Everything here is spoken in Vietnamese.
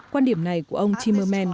quan điểm này của ông timmerman